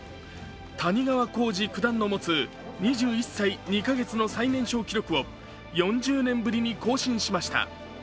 谷川浩司九段の持つ２１歳２か月の最年少記録を４０年ぶりに更新しました。